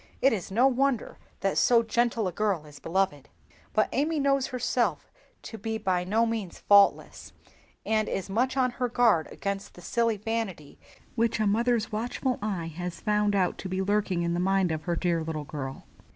It is no wonder that so gentle a girl is beloved. But Amy knows herself to be by no means faultless, and is much, on her guard against the silly vanity which a mother's watchful eye has found out to be lurking in the mind of her dear little girl.